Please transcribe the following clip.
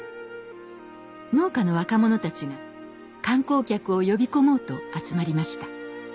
農家の若者たちが観光客を呼び込もうと集まりました。